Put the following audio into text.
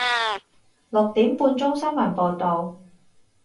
六點半鐘新聞報道